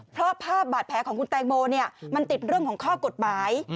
เพราะภาพบาดแผลของคุณแตงโมมันติดเรื่องของข้อกฎหมาย